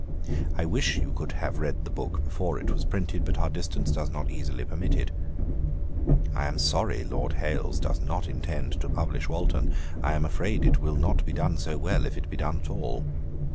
'I wish you could have read the book before it was printed, but our distance does not easily permit it. 'I am sorry Lord Hailes does not intend to publish Walton; I am afraid it will not be done so well, if it be done at all.